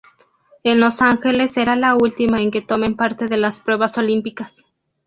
En Los Ángeles será la última en que tomen parte de las pruebas olímpicas.